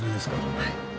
はい。